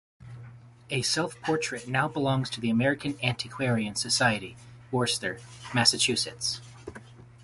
A self-portrait now belongs to the American Antiquarian Society, Worcester, Massachusetts.